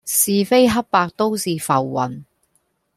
是非黑白都是浮雲